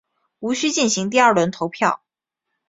无须进行第二轮投票。